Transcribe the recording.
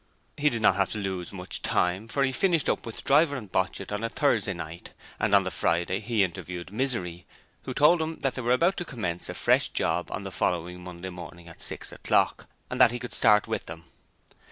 He did not have to lose much time, for he 'finished up' for Driver and Botchit on a Thursday night and on the Friday he interviewed Misery, who told him they were about to commence a fresh 'job' on the following Monday morning at six o'clock, and that he could start with them.